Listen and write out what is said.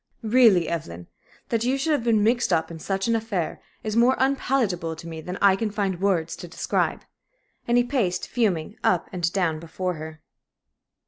Really, Evelyn, that you should have been mixed up in such an affair is more unpalatable to me than I can find words to describe." And he paced, fuming, up and down before her.